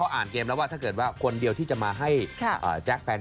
ต้นหอมก็มาต้นหอมก็ดูแลแก้น